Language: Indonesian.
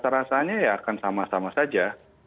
rasanya ya akan sama sama saja